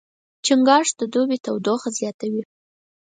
چنګاښ د دوبي تودوخه زیاتوي.